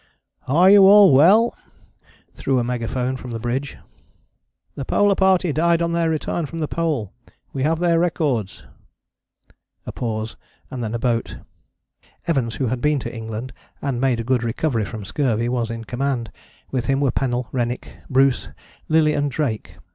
"Are you all well," through a megaphone from the bridge. "The Polar Party died on their return from the Pole: we have their records." A pause and then a boat. Evans, who had been to England and made a good recovery from scurvy, was in command: with him were Pennell, Rennick, Bruce, Lillie and Drake.